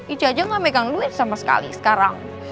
itu aja gak megang duit sama sekali sekarang